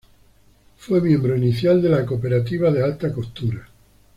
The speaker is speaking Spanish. Fue miembro inicial de la Cooperativa de Alta Costura.